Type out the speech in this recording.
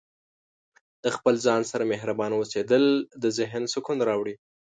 د خپل ځان سره مهربانه اوسیدل د ذهن سکون راوړي.